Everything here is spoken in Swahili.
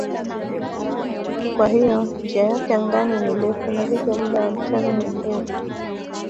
Kwa hiyo njia yake angani ni ndefu na hivyo muda wa mchana ni mrefu.